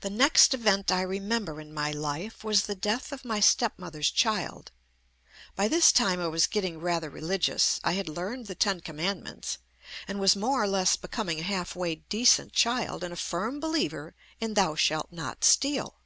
The next event I remember in my life was the death of my stepmother's child. By this time I was getting rather religious. I had learned the Ten Commandments and was more or less becoming a half way decent child and a firm believer in "Thou shalt not steal."